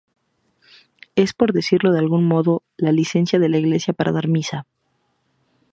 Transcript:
Es, por decirlo de algún modo, la licencia de la iglesia para dar misa.